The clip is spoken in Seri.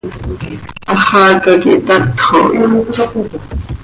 Háxaca quih tatxo hi.